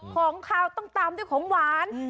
ของขาวต้องตามด้วยของหวาน